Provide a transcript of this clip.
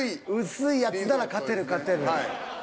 薄いやつなら勝てる勝てる。